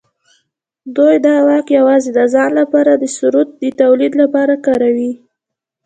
دوی دا واک یوازې د ځان لپاره د ثروت د تولید لپاره کاروي.